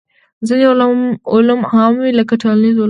ځینې علوم عام وي لکه ټولنیز علوم.